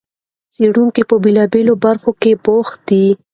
څېړونکي په بېلابېلو برخو کې بوخت دي.